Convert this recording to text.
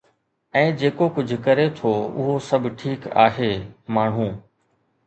۽ جيڪو ڪجهه ڪري ٿو اهو سڀ ٺيڪ آهي، ماڻهو